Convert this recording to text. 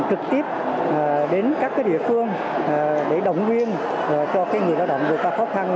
trực tiếp đến các địa phương để động viên cho người lao động khó khăn